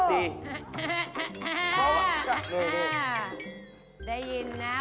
ต้องกินดี